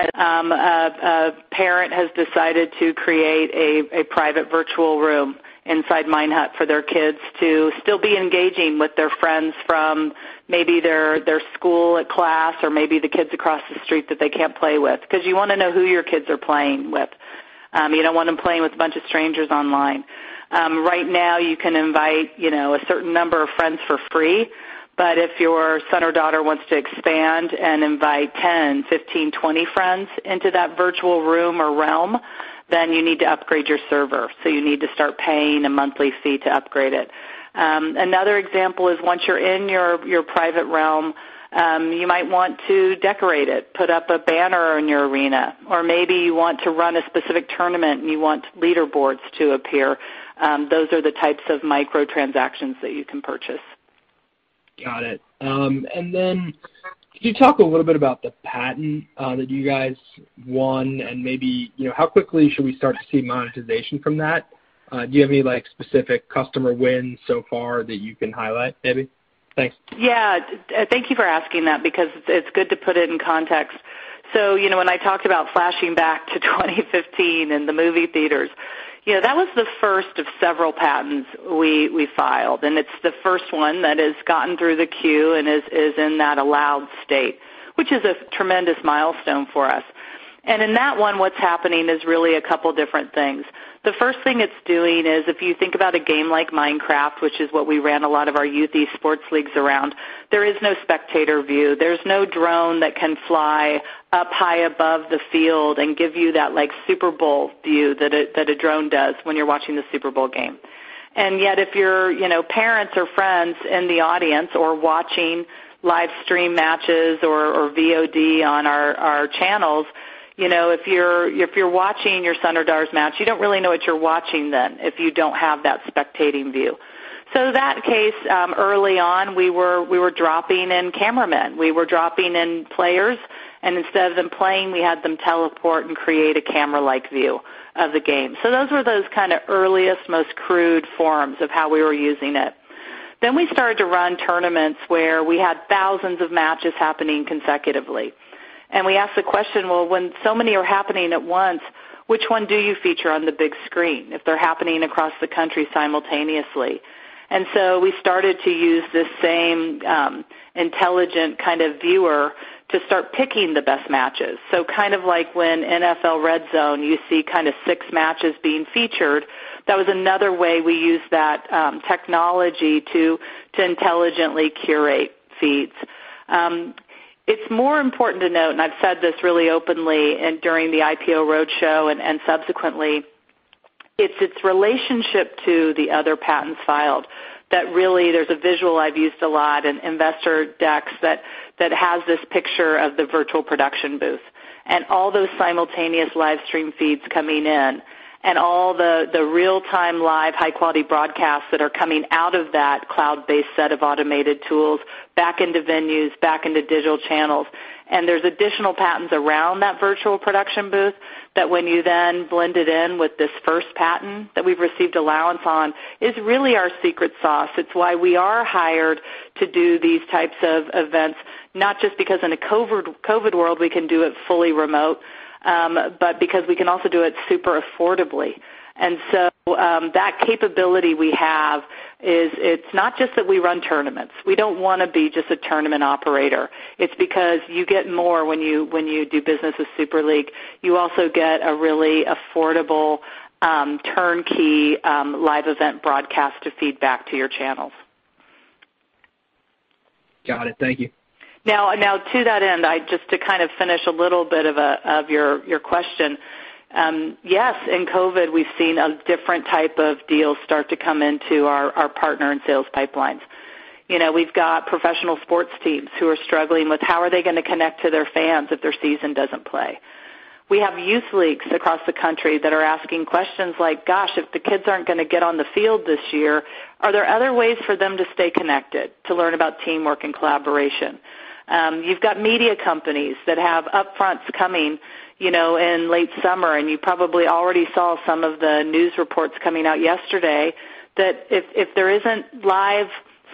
a parent has decided to create a private virtual room inside Minehut for their kids to still be engaging with their friends from maybe their school, a class, or maybe the kids across the street that they can't play with, because you want to know who your kids are playing with. You don't want them playing with a bunch of strangers online. Right now, you can invite a certain number of friends for free, but if your son or daughter wants to expand and invite 10, 15, 20 friends into that virtual room or realm, then you need to upgrade your server. You need to start paying a monthly fee to upgrade it. Another example is once you're in your private realm, you might want to decorate it, put up a banner in your arena, or maybe you want to run a specific tournament and you want leaderboards to appear. Those are the types of micro-transactions that you can purchase.
Got it. Could you talk a little bit about the patent that you guys won and maybe how quickly should we start to see monetization from that? Do you have any specific customer wins so far that you can highlight, maybe? Thanks.
Yeah. Thank you for asking that because it's good to put it in context. When I talked about flashing back to 2015 and the movie theaters, that was the first of several patents we filed, and it's the first one that has gotten through the queue and is in that allowed state, which is a tremendous milestone for us. In that one, what's happening is really a couple different things. The first thing it's doing is if you think about a game like Minecraft, which is what we ran a lot of our youth e-sports leagues around, there is no spectator view. There's no drone that can fly up high above the field and give you that Super Bowl view that a drone does when you're watching the Super Bowl game. yet if your parents or friends in the audience or watching live stream matches or VOD on our channels, if you're watching your son or daughter's match, you don't really know what you're watching then if you don't have that spectating view. that case, early on, we were dropping in cameramen. We were dropping in players, and instead of them playing, we had them teleport and create a camera-like view of the game. those were those kind of earliest, most crude forms of how we were using it. we started to run tournaments where we had thousands of matches happening consecutively. we asked the question, well, when so many are happening at once, which one do you feature on the big screen if they're happening across the country simultaneously? We started to use this same intelligent kind of viewer to start picking the best matches. Kind of like when NFL RedZone, you see kind of six matches being featured. That was another way we used that technology to intelligently curate feeds. It's more important to note, and I've said this really openly and during the IPO roadshow and subsequently, it's its relationship to the other patents filed. That really, there's a visual I've used a lot in investor decks that has this picture of the virtual production booth and all those simultaneous live stream feeds coming in, and all the real-time live high-quality broadcasts that are coming out of that cloud-based set of automated tools back into venues, back into digital channels. There's additional patents around that virtual production booth that when you blend it in with this first patent that we've received allowance on, is really our secret sauce. It's why we are hired to do these types of events, not just because in a COVID world, we can do it fully remote, but because we can also do it super affordably. That capability we have, it's not just that we run tournaments. We don't want to be just a tournament operator. It's because you get more when you do business with Super League. You also get a really affordable turnkey live event broadcast to feed back to your channels.
Got it. Thank you.
Now, to that end, just to kind of finish a little bit of your question. Yes, in COVID, we've seen a different type of deal start to come into our partner and sales pipelines. We've got professional sports teams who are struggling with how are they going to connect to their fans if their season doesn't play. We have youth leagues across the country that are asking questions like, "Gosh, if the kids aren't going to get on the field this year, are there other ways for them to stay connected to learn about teamwork and collaboration?" You've got media companies that have upfronts coming in late summer, and you probably already saw some of the news reports coming out yesterday that if there isn't live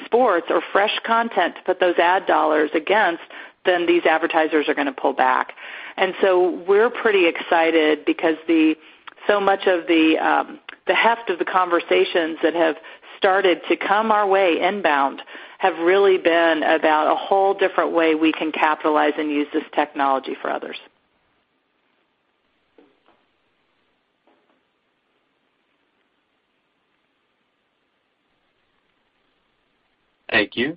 sports or fresh content to put those ad dollars against, then these advertisers are going to pull back. We're pretty excited because so much of the heft of the conversations that have started to come our way inbound have really been about a whole different way we can capitalize and use this technology for others.
Thank you.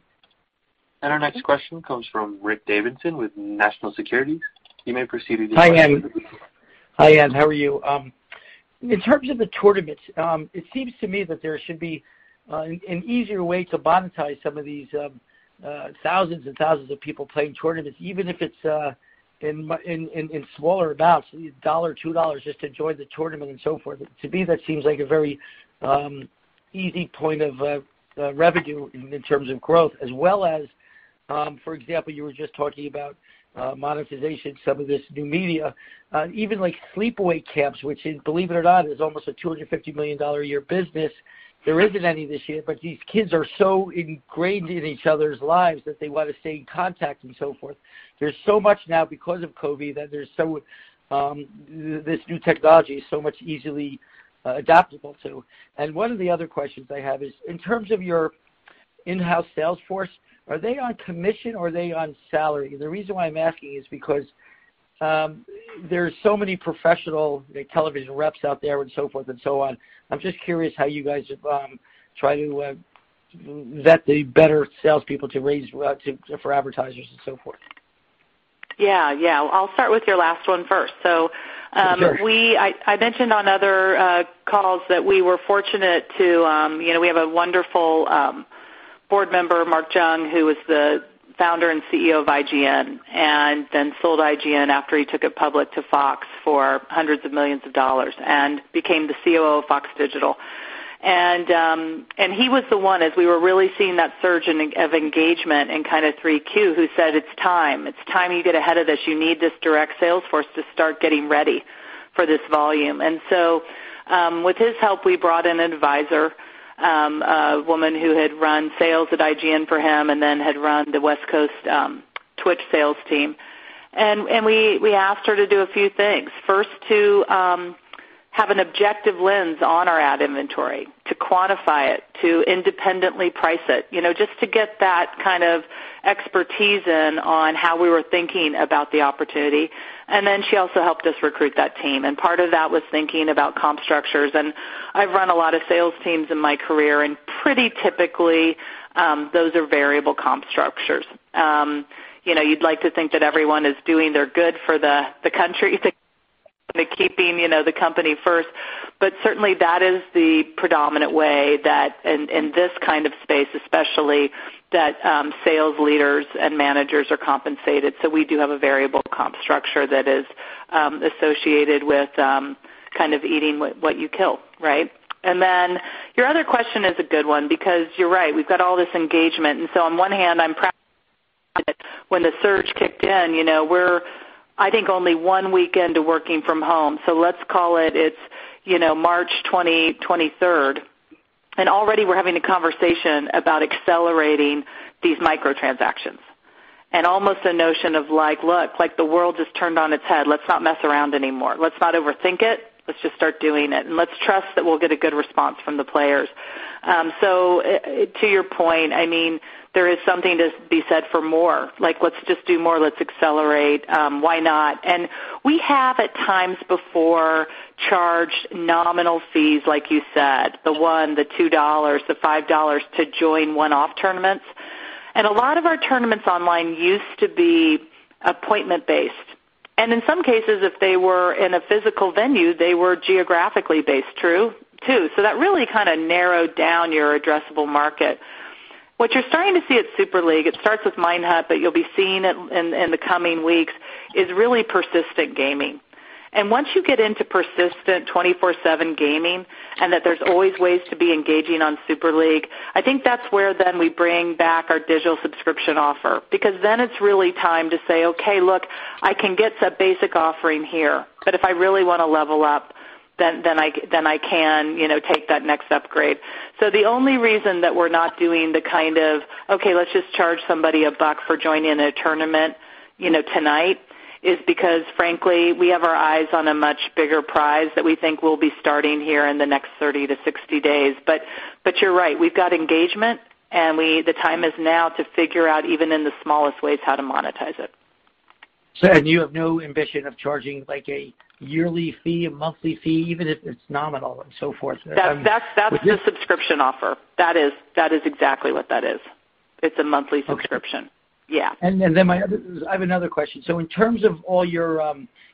Our next question comes from Rick Davidson with National Securities. You may proceed with your question.
Hi, Ann. How are you? In terms of the tournaments, it seems to me that there should be an easier way to monetize some of these thousands and thousands of people playing tournaments, even if it's in smaller amounts, $1, $2, just to join the tournament and so forth. To me, that seems like a very easy point of revenue in terms of growth as well as, for example, you were just talking about monetization, some of this new media. Even like sleepaway camps, which believe it or not, is almost a $250 million a year business. There isn't any this year, but these kids are so ingrained in each other's lives that they want to stay in contact and so forth. There's so much now because of COVID that this new technology is so much easily adaptable to. One of the other questions I have is, in terms of your in-house sales force, are they on commission or are they on salary? The reason why I'm asking is because there's so many professional television reps out there and so forth and so on. I'm just curious how you guys try to vet the better salespeople to raise for advertisers and so forth.
Yeah. I'll start with your last one first.
Sure.
I mentioned on other calls that we were fortunate. We have a wonderful Board Member, Mark Jung, who was the founder and CEO of IGN, and then sold IGN after he took it public to Fox for $hundreds of millions and became the COO of Fox Digital. He was the one, as we were really seeing that surge of engagement in kind of 3Q, who said, "It's time. It's time you get ahead of this. You need this direct sales force to start getting ready for this volume." With his help, we brought in an advisor, a woman who had run sales at IGN for him and then had run the West Coast Twitch sales team. We asked her to do a few things. First, to have an objective lens on our ad inventory, to quantify it, to independently price it, just to get that kind of expertise in on how we were thinking about the opportunity. Then she also helped us recruit that team. Part of that was thinking about comp structures. I've run a lot of sales teams in my career, and pretty typically, those are variable comp structures. You'd like to think that everyone is doing their good for the country and keeping the company first. Certainly, that is the predominant way that in this kind of space, especially that sales leaders and managers are compensated. We do have a variable comp structure that is associated with kind of eating what you kill, right? Then your other question is a good one because you're right. We've got all this engagement. On one hand, I'm proud that when the surge kicked in, we're I think only one week into working from home. Let's call it's March 23rd, and already we're having a conversation about accelerating these micro-transactions and almost a notion of like, "Look, the world just turned on its head. Let's not mess around anymore. Let's not overthink it. Let's just start doing it, and let's trust that we'll get a good response from the players." To your point, there is something to be said for more like, let's just do more, let's accelerate. Why not? We have at times before charged nominal fees, like you said, the $1, the $2, the $5 to join one-off tournaments. A lot of our tournaments online used to be appointment-based. In some cases, if they were in a physical venue, they were geographically based too. That really kind of narrowed down your addressable market. What you're starting to see at Super League, it starts with Minehut, but you'll be seeing it in the coming weeks, is really persistent gaming. Once you get into persistent twenty-four-seven gaming, and that there's always ways to be engaging on Super League, I think that's where then we bring back our digital subscription offer, because then it's really time to say, "Okay, look, I can get the basic offering here, but if I really want to level up, then I can take that next upgrade." The only reason that we're not doing the kind of, okay, let's just charge somebody a buck for joining a tournament tonight is because, frankly, we have our eyes on a much bigger prize that we think will be starting here in the next 30 to 60 days. You're right. We've got engagement, and the time is now to figure out, even in the smallest ways, how to monetize it.
You have no ambition of charging like a yearly fee, a monthly fee, even if it's nominal and so forth?
That's the subscription offer. That is exactly what that is. It's a monthly subscription.
Okay.
Yeah.
I have another question. In terms of all your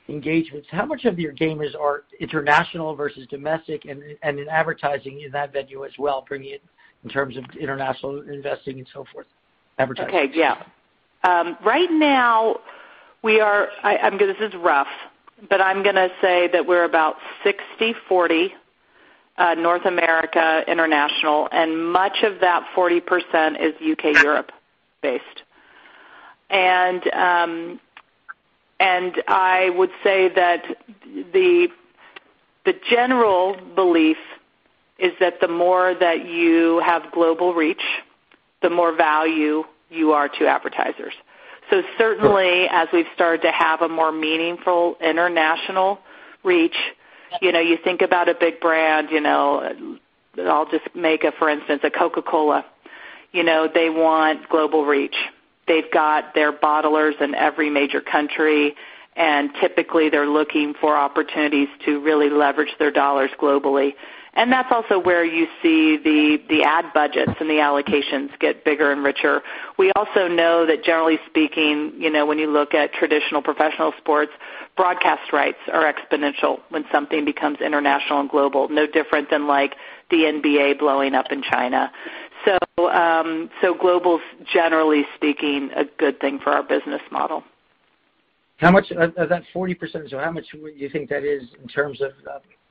engagements, how much of your gamers are international versus domestic? In advertising in that venue as well, bring in terms of international investing and so forth, advertising.
Okay. Yeah. Right now, this is rough, but I'm going to say that we're about 60/40 North America, international, and much of that 40% is U.K., Europe based. I would say that the general belief is that the more that you have global reach, the more value you are to advertisers. Certainly, as we've started to have a more meaningful international reach, you think about a big brand, I'll just make a, for instance, a Coca-Cola. They want global reach. They've got their bottlers in every major country, and typically they're looking for opportunities to really leverage their dollars globally. That's also where you see the ad budgets and the allocations get bigger and richer. We also know that generally speaking, when you look at traditional professional sports, broadcast rights are exponential when something becomes international and global, no different than like the NBA blowing up in China. Global's, generally speaking, a good thing for our business model.
Of that 40%, how much would you think that is in terms of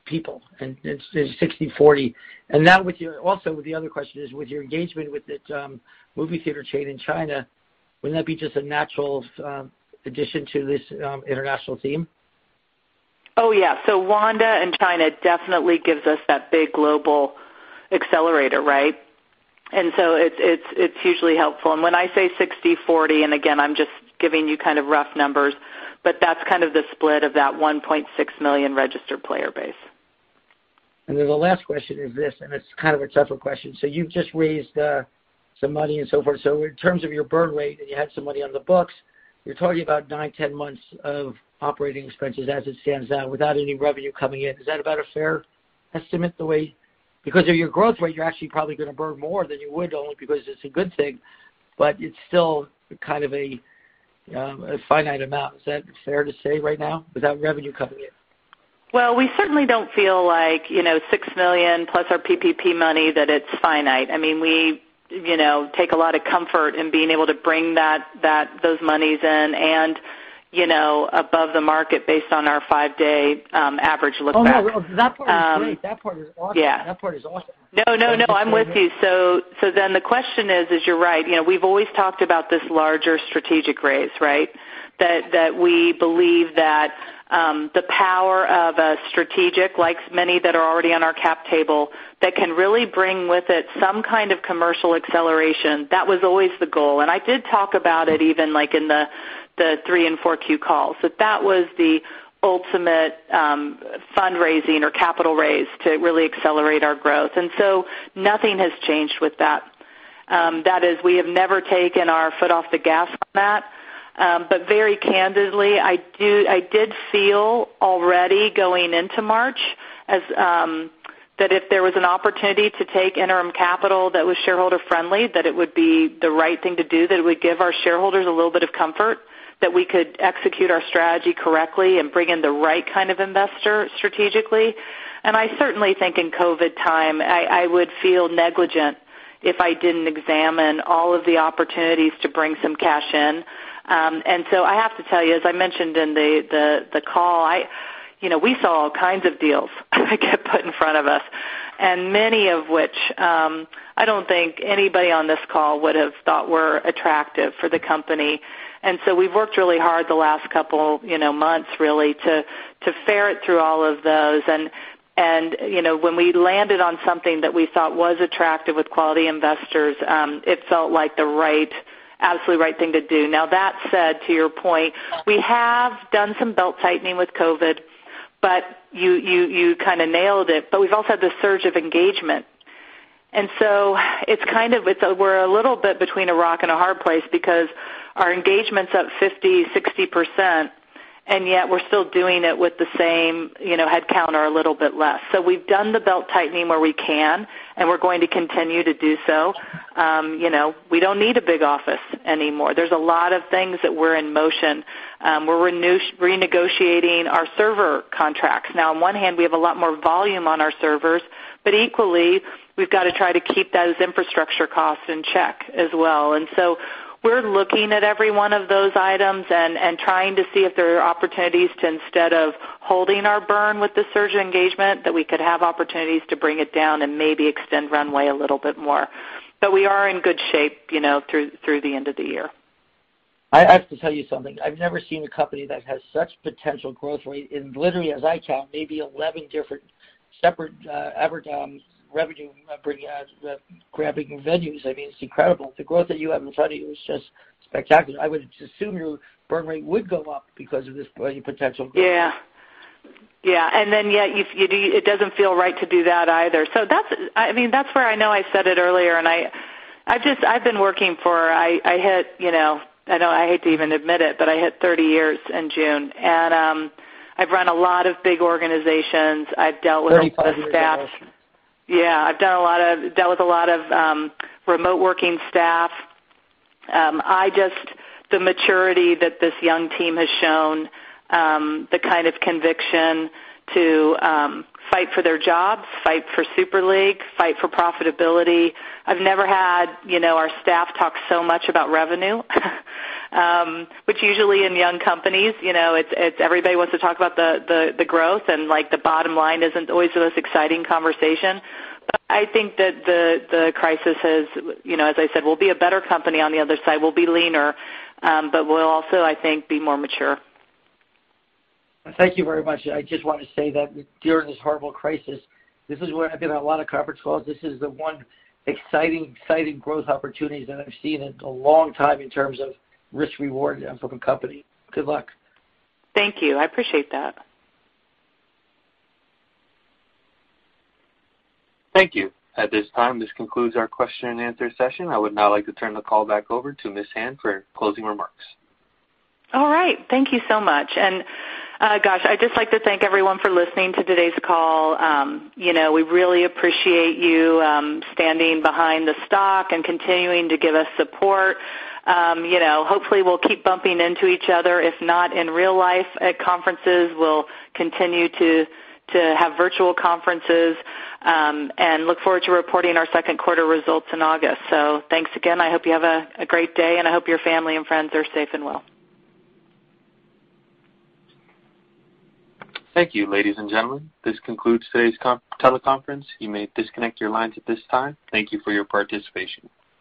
people? It's 60/40. Now also with the other question is, with your engagement with the movie theater chain in China, wouldn't that be just a natural addition to this international team?
Oh, yeah. Wanda in China definitely gives us that big global accelerator, right? It's hugely helpful. When I say 60/40, and again, I'm just giving you kind of rough numbers, but that's kind of the split of that 1.6 million registered player base.
The last question is this, and it's kind of a tougher question. You've just raised some money and so forth. In terms of your burn rate, and you had some money on the books, you're talking about nine, 10 months of operating expenses as it stands now without any revenue coming in. Is that about a fair estimate? Because of your growth rate, you're actually probably going to burn more than you would, only because it's a good thing, but it's still kind of a finite amount. Is that fair to say right now without revenue coming in?
Well, we certainly don't feel like $6 million plus our PPP money that it's finite. I mean, we take a lot of comfort in being able to bring those monies in and above the market based on our five-day average look back.
Oh, no, that part is great. That part is awesome.
Yeah.
That part is awesome.
No, no, I'm with you. The question is you're right. We've always talked about this larger strategic raise, right? That we believe that the power of a strategic, like many that are already on our cap table, that can really bring with it some kind of commercial acceleration. That was always the goal. I did talk about it even like in the three and four Q calls, that that was the ultimate fundraising or capital raise to really accelerate our growth. Nothing has changed with that. That is, we have never taken our foot off the gas on that. very candidly, I did feel already going into March, that if there was an opportunity to take interim capital that was shareholder-friendly, that it would be the right thing to do, that it would give our shareholders a little bit of comfort that we could execute our strategy correctly and bring in the right kind of investor strategically. I certainly think in COVID time, I would feel negligent if I didn't examine all of the opportunities to bring some cash in. I have to tell you, as I mentioned in the call, we saw all kinds of deals get put in front of us, and many of which I don't think anybody on this call would have thought were attractive for the company. We've worked really hard the last couple months really to ferret through all of those and, when we landed on something that we thought was attractive with quality investors, it felt like the absolutely right thing to do. Now, that said, to your point, we have done some belt-tightening with COVID, but you kind of nailed it. We've also had this surge of engagement. We're a little bit between a rock and a hard place because our engagement's up 50%, 60%, and yet we're still doing it with the same headcount or a little bit less. We've done the belt-tightening where we can, and we're going to continue to do so. We don't need a big office anymore. There's a lot of things that were in motion. We're renegotiating our server contracts. Now, on one hand, we have a lot more volume on our servers, but equally, we've got to try to keep those infrastructure costs in check as well. We're looking at every one of those items and trying to see if there are opportunities to, instead of holding our burn with the surge engagement, that we could have opportunities to bring it down and maybe extend runway a little bit more. We are in good shape through the end of the year.
I have to tell you something. I've never seen a company that has such potential growth rate in literally, as I count, maybe 11 different separate avenues of revenue-grabbing venues. It's incredible. The growth that you have in front of you is just spectacular. I would assume your burn rate would go up because of this potential growth.
Yeah. Yet it doesn't feel right to do that either. That's where I know I said it earlier, and I've been working for, I hate to even admit it, but I hit 30 years in June, and I've run a lot of big organizations. I've dealt with a lot of staff.
35 years of experience.
Yeah, I've dealt with a lot of remote working staff. The maturity that this young team has shown, the kind of conviction to fight for their jobs, fight for Super League, fight for profitability. I've never had our staff talk so much about revenue, which usually in young companies, everybody wants to talk about the growth and the bottom line isn't always the most exciting conversation. I think that the crisis has, as I said, we'll be a better company on the other side. We'll be leaner. We'll also, I think, be more mature.
Thank you very much. I just want to say that during this horrible crisis, this is where I've been on a lot of conference calls. This is the one exciting growth opportunities that I've seen in a long time in terms of risk-reward from a company. Good luck.
Thank you. I appreciate that.
Thank you. At this time, this concludes our question and answer session. I would now like to turn the call back over to Ms. Hand for closing remarks.
All right. Thank you so much. gosh, I'd just like to thank everyone for listening to today's call. We really appreciate you standing behind the stock and continuing to give us support. Hopefully, we'll keep bumping into each other, if not in real life at conferences. We'll continue to have virtual conferences, and look forward to reporting our second quarter results in August. thanks again. I hope you have a great day, and I hope your family and friends are safe and well.
Thank you, ladies and gentlemen. This concludes today's teleconference. You may disconnect your lines at this time. Thank you for your participation.